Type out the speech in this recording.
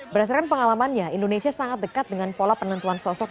berdasarkan pengalamannya indonesia sangat dekat dengan pola penentuan sosok